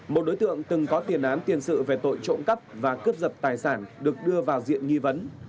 một đối tượng từng có tiền án tiền sự về tội trộm cắp và cướp giật tài sản được đưa vào diện nghi vấn